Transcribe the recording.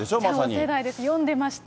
ちゃお世代です、読んでました。